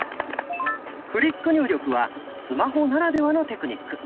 「フリック入力」はスマホならではのテクニック。